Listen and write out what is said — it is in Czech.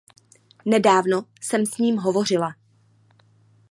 Nedávno jsem s ním hovořila.